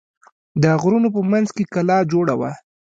د غرونو په منځ کې کلا جوړه وه.